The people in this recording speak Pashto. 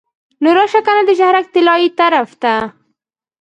نو راشه کنه د شهرک طلایې طرف ته.